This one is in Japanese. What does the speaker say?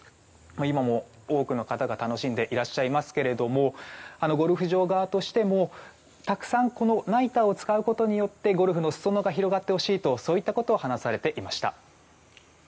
今も多くの方が楽しんでいらっしゃいますけどもゴルフ場側としてもナイターを使うことによってゴルフのすそ野が広がってほしいということを話されていました。